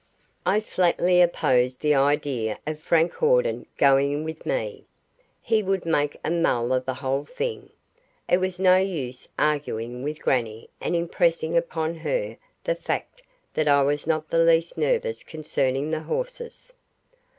I flatly opposed the idea of Frank Hawden going with me. He would make a mull of the whole thing. It was no use arguing with grannie and impressing upon her the fact that I was not the least nervous concerning the horses.